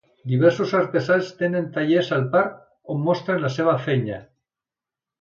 Diversos artesans tenen tallers al parc on mostren la seva feina.